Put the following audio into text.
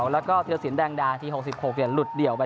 แล้วก็ธิรสินแดงดาที๖๖หลุดเดี่ยวไป